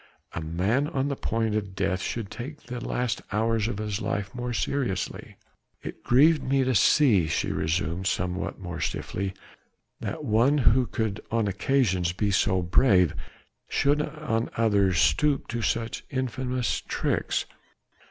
A man on the point of death should take the last hours of his life more seriously. "It grieved me to see," she resumed somewhat more stiffly, "that one who could on occasions be so brave, should on others stoop to such infamous tricks."